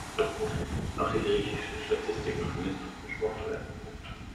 Auch die griechischen Statistiken müssen besprochen werden.